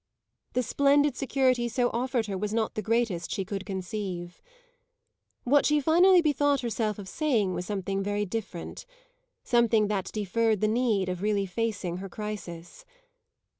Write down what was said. The "splendid" security so offered her was not the greatest she could conceive. What she finally bethought herself of saying was something very different something that deferred the need of really facing her crisis.